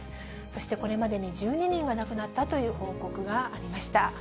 そしてこれまでに１２人が亡くなったという報告がありました。